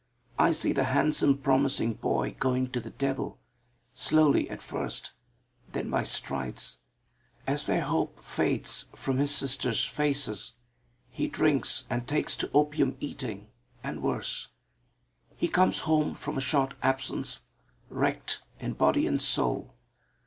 I see the handsome promising boy going to the devil slowly at first, then by strides. As their hope fades from his sisters' faces, he drinks and takes to opium eating and worse. He comes home from a short absence, wrecked in body and soul.